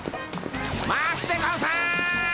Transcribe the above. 待つでゴンス！